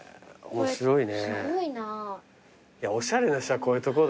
面白いね。